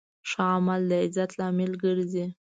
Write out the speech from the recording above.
ښه عمل د عزت لامل ګرځي.